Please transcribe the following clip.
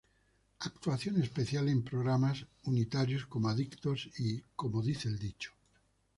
Actuación especial en programas unitarios como ¨Adictos¨ y ¨Como dice el dicho¨.